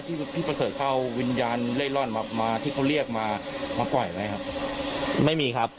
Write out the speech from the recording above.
ที่พี่เกิดเข้าวิญญาณเล่นร่อนมามาที่เขาเรียกมามาไกวไหมครับไม่มีครับ